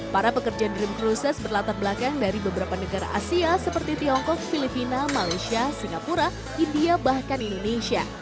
para pekerja dream cruises berlatar belakang dari beberapa negara asia seperti tiongkok filipina malaysia singapura india bahkan indonesia